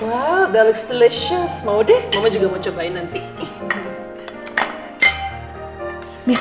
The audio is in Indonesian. waw galus delicious mau deh mau juga mau cobain nanti